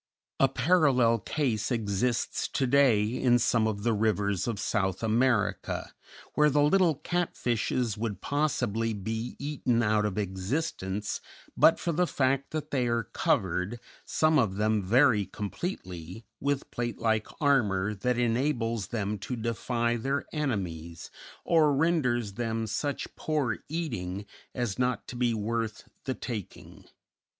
A parallel case exists to day in some of the rivers of South America, where the little cat fishes would possibly be eaten out of existence but for the fact that they are covered some of them very completely with plate armor that enables them to defy their enemies, or renders them such poor eating as not to be worth the taking.